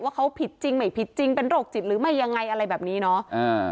ว่าเขาผิดจริงไม่ผิดจริงเป็นโรคจิตหรือไม่ยังไงอะไรแบบนี้เนาะ